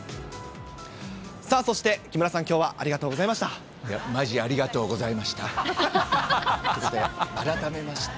さあそして、木村さん、ありがとまじありがとうございました。